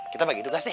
kita bagi tugas deh